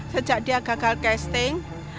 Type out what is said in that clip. sejak dia gagal casting